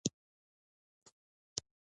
افغانستان د ډول ډول پسونو له شتون څخه ډک دی.